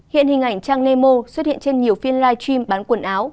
hiện hình ảnh trang nemo xuất hiện trên nhiều phiên live stream bán quần áo